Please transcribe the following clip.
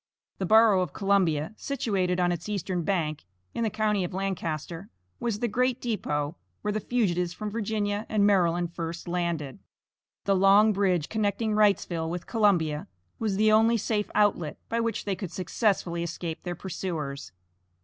The borough of Columbia, situated on its eastern bank, in the county of Lancaster, was the great depot where the fugitives from Virginia and Maryland first landed. The long bridge connecting Wrightsville with Columbia, was the only safe outlet by which they could successfully escape their pursuers.